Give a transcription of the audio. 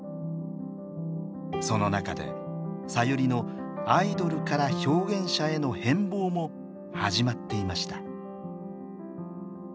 その中でさゆりのアイドルから表現者への変貌も始まっていました。